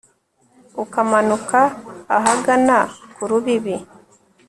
ukamanuka ahagana ku rubibi